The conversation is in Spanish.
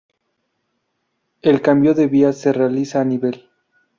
El cambio de vías se realiza a nivel.